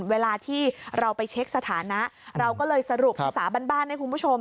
เวลาที่เราไปเช็คสถานะเราก็เลยสรุปภาษาบ้านให้คุณผู้ชม